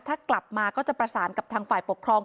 ถ้ากลับมาก็จะประสานกับทางฝ่ายปกครอง